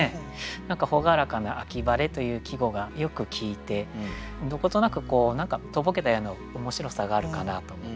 何か朗らかな「秋晴」という季語がよく効いてどことなく何かとぼけたような面白さがあるかなと思って。